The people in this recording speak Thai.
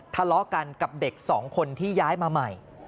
ทะเลาะกันกับเด็กสองคนที่ย้ายมาใหม่